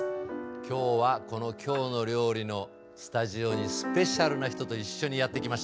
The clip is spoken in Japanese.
今日はこの「きょうの料理」のスタジオにスペシャルな人と一緒にやって来ました。